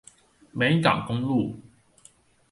美港公路